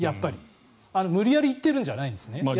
無理やり言っているんじゃないですね。